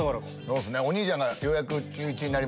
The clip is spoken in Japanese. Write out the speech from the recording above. お兄ちゃんがようやく中１になりまして。